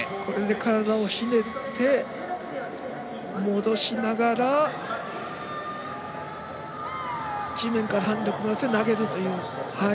体をひねって戻しながら地面から反動をもらって投げるという。